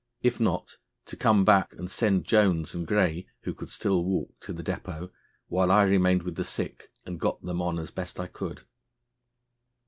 If not, to come back and send Jones and Gray, who could still walk, to the depôt, while I remained with the sick and got them on as best I could."